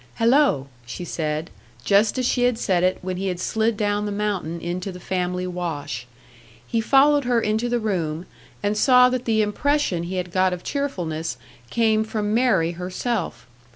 "Hello," she said just as she had said it when he had slid down the mountain into the family wash. He followed her into the room, and saw that the impression he had got of cheerfulness came from Mary herself.